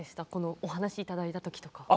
お話いただいた時とか。